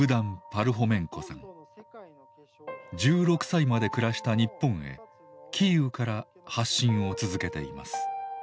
１６歳まで暮らした日本へキーウから発信を続けています。